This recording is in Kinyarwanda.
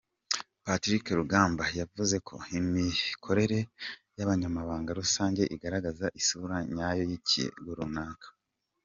Patrice Rugambwa, yavuze ko imikorere y’Abanyamabanga rusange igaragaza isura nyayo y’ikigo runaka.